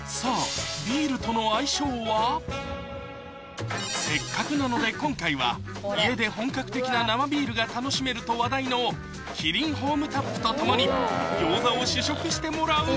さあせっかくなので今回は家で本格的な生ビールが楽しめると話題のキリンホームタップと共に餃子を試食してもらう！